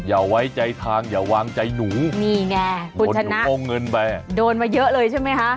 อย่าไว้ใจทางอย่าวางใจหนูนี่แน่คุณชนะโดนมาเยอะเลยใช่ไหมฮะ